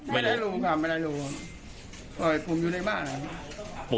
ไม่ได้ลงค่ะไม่ได้ลงปล่อยผมอยู่ในบ้านนะครับ